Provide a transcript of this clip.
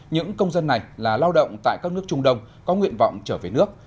những công dân này là lao động tại các nước trung đông có nguyện vọng trở về nước